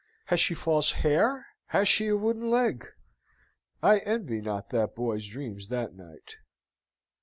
Has she false hair? Has she a wooden leg? I envy not that boy's dreams that night.